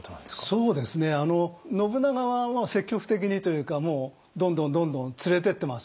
そうですね信長は積極的にというかどんどんどんどん連れてってますね。